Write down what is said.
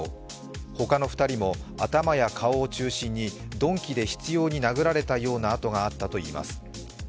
ほかの２人も頭や顔を中心に鈍器で執ように殴られたようなあとがあったといいます。